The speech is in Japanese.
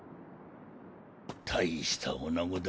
大した女子だ。